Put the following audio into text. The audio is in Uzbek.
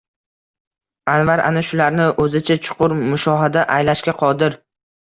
Anvar ana shularni o’zicha chuqur mushohada aylashga qodir